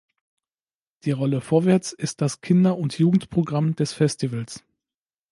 Die "Rolle Vorwärts" ist das Kinder- und Jugendprogramm des Festivals.